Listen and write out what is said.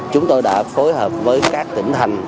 chúng tôi đã phối hợp với các tỉnh thành